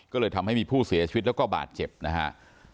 ก็เลยทำให้มีผู้เสียชีวิตแล้วก็บาดเจ็บนะครับ